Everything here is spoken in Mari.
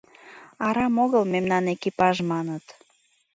Арам огыл «мемнан экипаж» маныт.